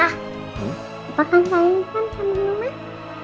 apa kan saling kan sama rumah